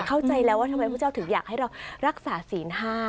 เข้าใจแล้วว่าทำไมพระเจ้าถึงอยากให้เรารักษาศีล๕